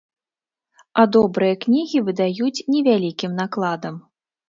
А добрыя кнігі выдаюць невялікім накладам.